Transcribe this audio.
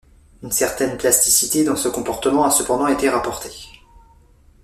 Une certaine plasticité dans ce comportement a cependant été rapportée.